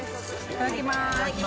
いただきます。